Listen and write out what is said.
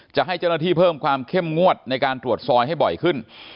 จะให้เจ้าหน้าที่เพิ่มความเข้มงวดในการตรวจซอยให้บ่อยขึ้น